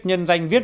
nhân danh viết